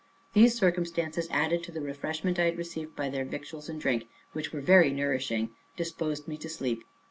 These circumstances, added to the refreshment I had received by their victuals and drink, which were very nourishing, disposed me to sleep.